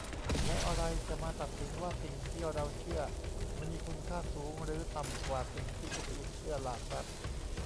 แล้วอะไรจะมาตัดสินว่า สิ่งที่เราเชื่อ มันมีคุณค่าสูงหรือต่ำกว่า สิ่งที่คนอื่นเชื่อ ล่ะครับ ?